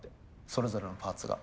それぞれのパーツが。